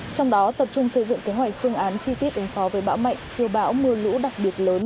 trong đó tập trung xây dựng kế hoạch phương án chi tiết ứng phó với bão mạnh siêu bão mưa lũ đặc biệt lớn